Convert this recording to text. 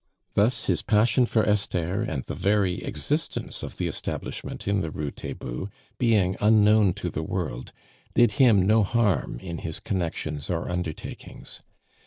Thus his passion for Esther and the very existence of the establishment in the Rue Taitbout, being unknown to the world, did him no harm in his connections or undertakings.